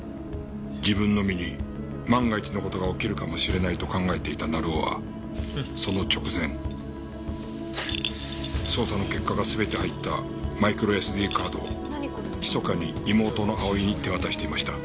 自分の身に万が一の事が起きるかもしれないと考えていた成尾はその直前捜査の結果が全て入ったマイクロＳＤカードを密かに妹の蒼に手渡していました。